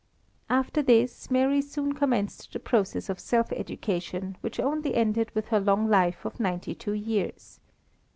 After this Mary soon commenced the process of self education which only ended with her long life of ninety two years.